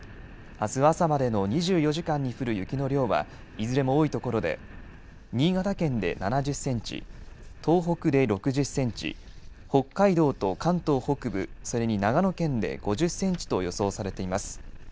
あす朝までの２４時間に降る雪の量はいずれも多いところで新潟県で７０センチ、東北で６０センチ、北海道と関東北部、それに長野県で５０センチと予想されています。